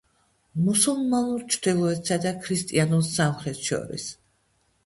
მუსულმანურ ჩრდილოეთსა და ქრისტიანულ სამხრეთს შორის.